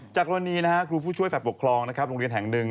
จากกรณีครูผู้ช่วยฝ่ายปกครองโรงเรียนแห่ง๑